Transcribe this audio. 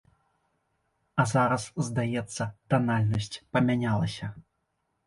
А зараз, здаецца, танальнасць памянялася.